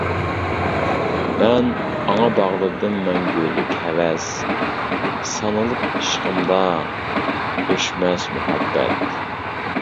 مەن ئاڭا باغلىدىم مەڭگۈلۈك ھەۋەس، سانىلىپ ئىشقىمدا ئۆچمەس مۇھەببەت.